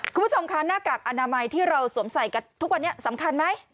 คุณผู้ชมคะหน้ากากอนามัยที่เราสวมใส่กันทุกวันนี้สำคัญไหม